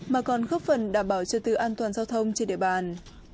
mà còn góp phần đảm bảo trật tự an toàn giao thông trên địa bàn